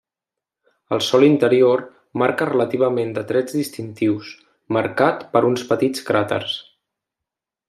El sòl interior manca relativament de trets distintius, marcat per uns petits cràters.